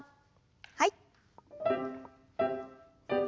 はい。